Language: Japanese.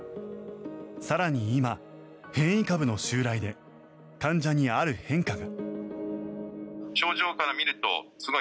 更に今、変異株の襲来で患者に、ある変化が。